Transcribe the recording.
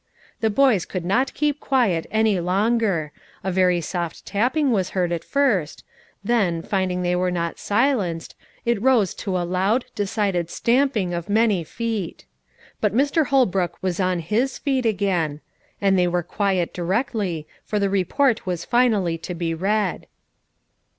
The boys could not keep quiet any longer: a very soft tapping was heard at first, then, finding they were not silenced, it rose to a loud, decided stamping of many feet. But Mr. Holbrook was on his feet again, and they were quiet directly, for the report was finally to be read.